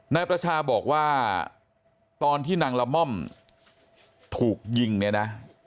นายประชาบอกว่าตอนที่นางละม่อมถูกยิงเนี่ยนะ